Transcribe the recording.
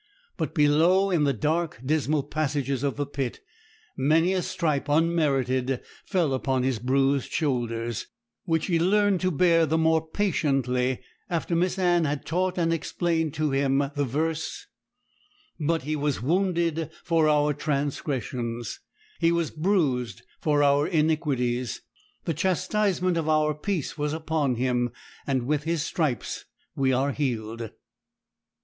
But below, in the dark, dismal passages of the pit, many a stripe, unmerited, fell upon his bruised shoulders, which he learned to bear the more patiently after Miss Anne had taught and explained to him the verse, 'But He was wounded for our transgressions, He was bruised for our iniquities; the chastisement of our peace was upon Him; and with His stripes we are healed.'